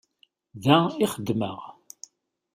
Da i xeddmeɣ.